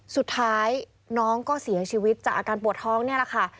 สุดท้ายน้องก็เสียชีวิตจากอาการปวดท้องนี่แหละค่ะ